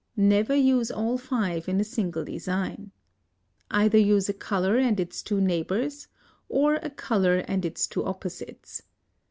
Never use all five in a single design. Either use a color and its two neighbors or a color and its two opposites.